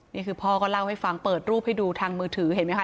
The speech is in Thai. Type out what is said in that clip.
นี่คือพ่อก็เล่าให้ฟังเปิดรูปให้ดูทางมือถือเห็นไหมค